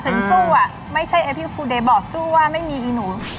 ถึงจู๊อ่ะไม่ใช่พี่ฟูเดบอกจู๊ว่าไม่มีอีหนู